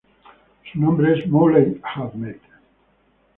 Su nombre es "Moulay" Ahmed.